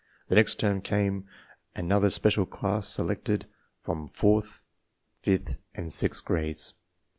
The next term came an other special class selected from fourth, fifth, and sixth grades.